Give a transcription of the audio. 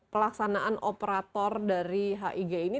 pelaksanaan operator dari hig ini